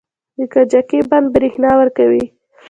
د کجکي بند بریښنا ورکوي